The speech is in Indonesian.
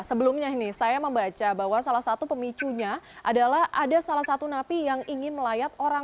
sebelumnya ini saya membaca bahwa salah satu pemicunya adalah ada salah satu napi yang ingin melayat orang